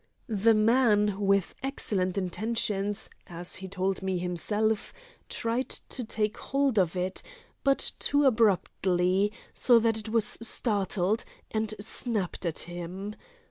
The man with excellent intentions—as he told me himself —tried to take hold of it, but too abruptly, so that it was startled, and snapped at him.